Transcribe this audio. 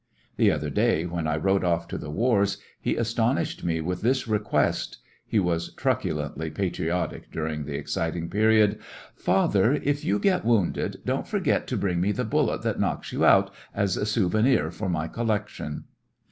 The other day, when I rode off to the wars, he astonished me with this request (he was truculently patriotic during the excit ing period) : "Father, if you get wounded, don't forget to bring me the bullet that knocks you out, as a souvenir for my collection